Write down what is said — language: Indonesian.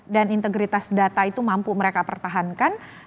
dan integritas data itu mampu mereka pertahankan